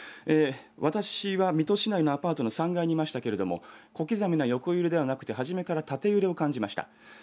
私は水戸市内のアパートの３階にいましたけれども小刻みな横揺れではなくて初めから縦揺れを感じました。